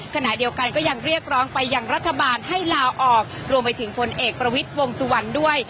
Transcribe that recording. ขณะเดียวกันก็ยังเรียกร้องไปยังรัฐบาลให้ลาออกรวมไปถึงผลเอกประวิทย์วงสุวรรณด้วย